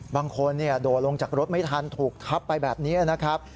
โดดลงจากรถไม่ทันถูกทับไปแบบนี้นะครับ